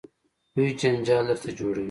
لوی جنجال درته جوړوي.